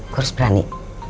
gua harus berani